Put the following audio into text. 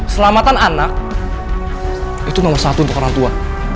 selamatan anak itu nomor satu untuk orang tua